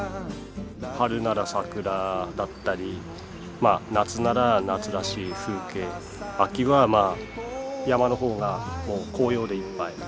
・春なら桜だったりまあ夏なら夏らしい風景秋はまあ山の方が紅葉でいっぱい。